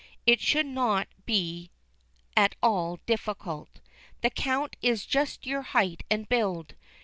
It should not be at all difficult. The Count is just your height and build.